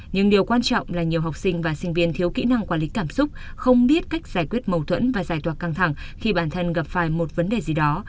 nhưng điều quan trọng là nhiều học sinh và sinh viên thiếu kỹ năng quản lý cảm xúc không biết cách giải quyết mâu thuẫn và giải tỏa căng thẳng khi bản thân gặp phải một vấn đề gì đó